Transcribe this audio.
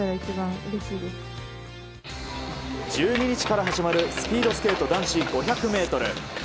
１２日から始まるスピードスケート男子５００ｍ。